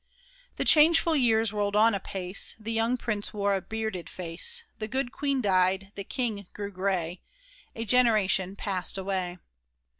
The changeful years rolled on apace ; The young prince wore a bearded face ; The good queen died ; the king grew gray ; A generation passed away.